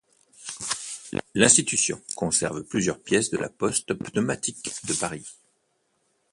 L'institution conserve plusieurs pièces de la poste pneumatique de Paris.